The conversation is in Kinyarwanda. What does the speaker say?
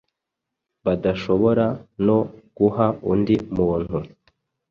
badashobora no guha undi muntu.